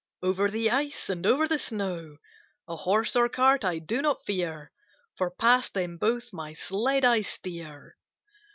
Over the ice, and over the snow; A horse or cart I do not fear. For past them both my sled I steer.